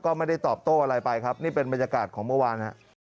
ก็ไม่ได้ตอบโต้อะไรไปครับนี่เป็นบรรยากาศของเมื่อวานฮะ